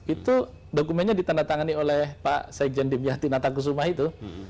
itu dokumennya ditandatangani oleh pak sekjen dimyati natakusuma itu